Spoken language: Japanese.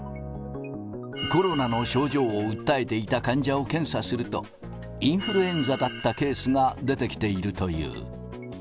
コロナの症状を訴えていた患者を検査すると、インフルエンザだったケースが出てきているという。